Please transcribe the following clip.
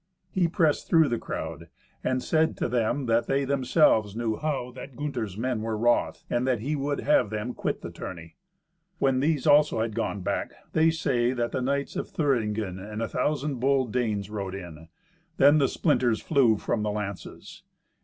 He pressed through the crowd, and said to them that they themselves knew how that Gunther's men were wroth, and that he would have them quit the tourney. When these also had gone back, they say that the knights of Thüringen and a thousand bold Danes rode in. Then the splinters flew from the lances.